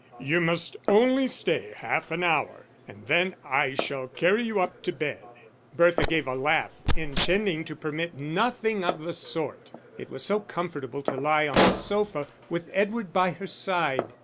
"You must only stay half an hour, and then I shall carry you up to bed." Bertha gave a laugh, intending to permit nothing of the sort. It was so comfortable to lie on the sofa, with Edward by her side.